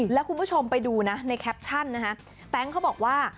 แล้วคุณผู้ชมไปดูนะในแคปชั่นนะฮะแต๊งเขาบอกว่า